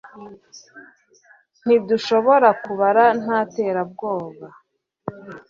Ntidushobora kubara nta terabwoba